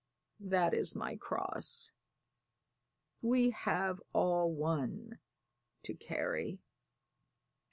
That is my cross we have all one to carry."